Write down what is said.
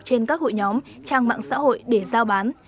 trên các hội nhóm trang mạng xã hội để giao bán